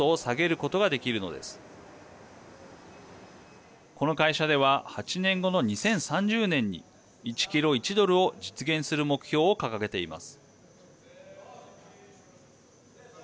この会社では８年後の２０３０年に１キロ１ドルを実現する目標を掲げています。